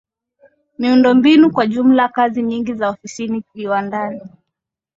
miundombinu kwa jumla Kazi nyingi za ofisini viwandani